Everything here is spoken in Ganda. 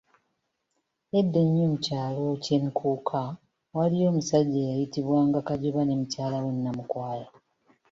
Edda ennyo mu kyalo kye Nkuuka, waliyo omusajja eyayitibwa nga Kajoba ne mukyala we Namukwaya